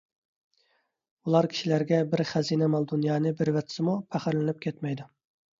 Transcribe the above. ئۇلار كىشىلەرگە بىر خەزىنە مال – دۇنيانى بېرىۋەتسىمۇ پەخىرلىنىپ كەتمەيدۇ.